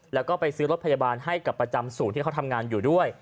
แล้วก็ไปซื้อรถพยาบาลให้กับประจำศูนย์ที่เขาทำงานอยู่ด้วย